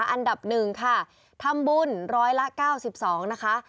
อันดับ๑ค่ะทำบุญร้อยละ๙๒นะคะ